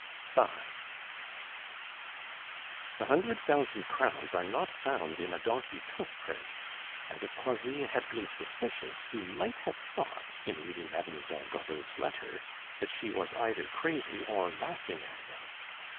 V A hundred thousand crowns are not found "in a donkey's hoof print," and if Croisilles had been suspicious he might have thought in reading Mademoiselle Godeau's letter that she was either crazy or laughing at him.